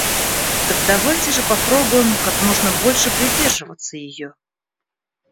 Так давайте же попробуем как можно больше придерживаться ее.